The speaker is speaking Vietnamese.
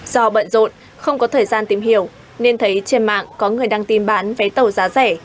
do bận rộn không có thời gian tìm hiểu nên thấy trên mạng có người đang tìm bán vé tàu giá rẻ